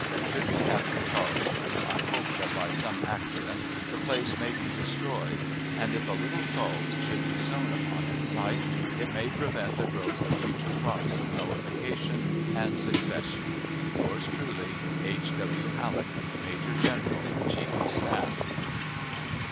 Should you capture Charleston, I hope that by some accident the place may be destroyed, and, if a little salt should be sown upon its site, it may prevent the growth of future crops of nullification and secession. Yours truly, H. W. HALLECK, Major General, Chief of Staff.